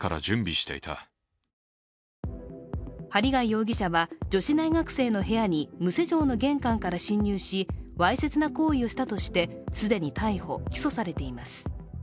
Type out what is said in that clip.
針谷容疑者は女子大学生の部屋に無施錠の玄関か侵入し、わいせつな行為をしたとして既に逮捕・起訴されています。